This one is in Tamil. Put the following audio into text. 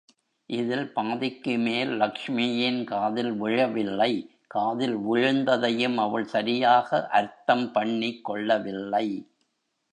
இதில் பாதிக்கு மேல் லக்ஷ்மியின் காதில் விழவில்லை காதில் விழுந்ததையும் அவள் சரியாக அர்த்தம் பண்ணிக் கொள்ளவில்லை.